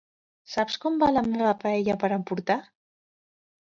Saps com va la meva paella per emportar?